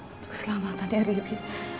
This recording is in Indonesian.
untuk keselamatan ya riri